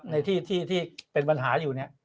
ในที่เป็นปัญหาอยู่เนี่ย